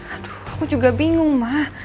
aduh aku juga bingung mah